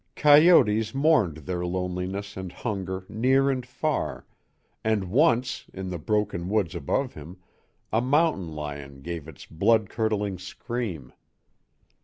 Coyotes mourned their loneliness and hunger near and far, and once, in the broken woods above him, a mountain lion gave its blood curdling scream.